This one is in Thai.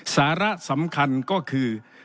สาระสำคัญก็คือ